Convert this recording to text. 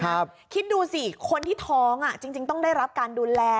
คิดดูสิคนที่ท้องอ่ะจริงจริงต้องได้รับการดูแล